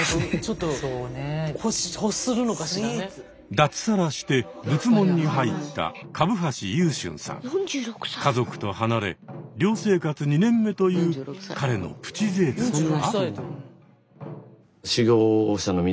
脱サラして仏門に入った家族と離れ寮生活２年目という彼の「プチぜいたく」は？